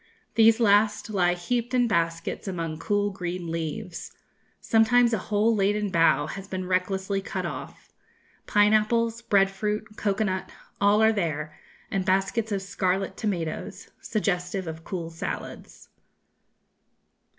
These last lie heaped in baskets among cool green leaves. Sometimes a whole laden bough has been recklessly cut off. Pine apples, bread fruit, cocoa nut, all are there, and baskets of scarlet tomatoes, suggestive of cool salads."